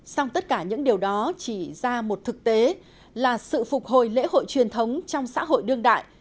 xong tất cả những điều đó chỉ ra một thực tế là sự phục hồi lễ hội truyền thống trong xã hội đương đại